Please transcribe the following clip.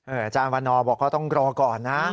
อาจารย์วันนอบอกเขาต้องรอก่อนนะ